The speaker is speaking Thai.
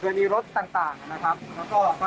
หรือมีรถต่างนะครับ